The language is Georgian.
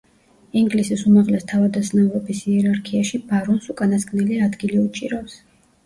ინგლისის უმაღლეს თავადაზნაურობის იერარქიაში ბარონს უკანასკნელი ადგილი უჭირავს.